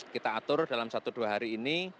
kita atur dalam satu dua hari ini